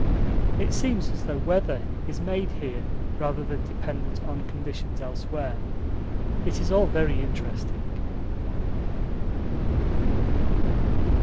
It seems as though weather is made here rather than dependent on conditions elsewhere. It is all very interesting.